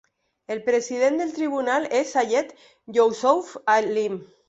El president del tribunal és Sayed Yousuf Halim.